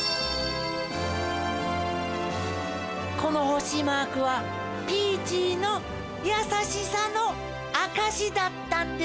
このほしマークはピーチーのやさしさのあかしだったんです。